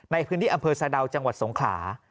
ในพื้นที่อำเภอสะดาวจังหวัดสงขลา